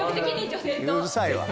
うるさいわ。